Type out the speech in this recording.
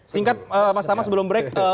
singkat mas tama sebelum break